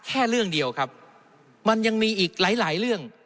แค่เรื่องเดียวครับมันยังมีอีกหลายเรื่อง